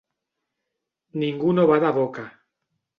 Ningú no bada boca.